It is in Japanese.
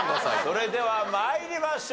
それでは参りましょう。